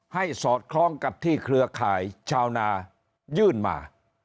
สอดคล้องกับที่เครือข่ายชาวนายื่นมา